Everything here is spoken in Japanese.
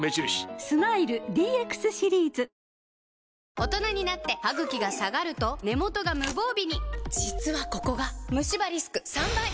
大人になってハグキが下がると根元が無防備に実はここがムシ歯リスク３倍！